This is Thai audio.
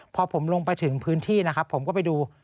พอผมลงไปถึงพื้นที่นะครับผมก็ไปดู